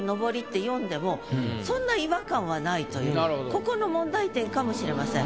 ここの問題点かもしれません。